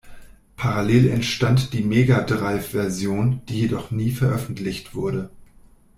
Parallel entstand die Mega-Drive-Version, die jedoch nie veröffentlicht wurde.